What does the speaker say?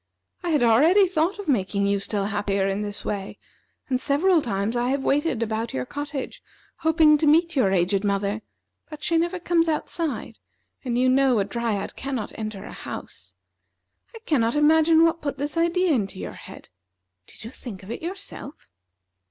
I had already thought of making you still happier in this way, and several times I have waited about your cottage, hoping to meet your aged mother, but she never comes outside, and you know a Dryad cannot enter a house. I cannot imagine what put this idea into your head. Did you think of it yourself?"